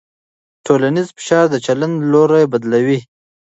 ټولنیز فشار د چلند لوری بدلوي.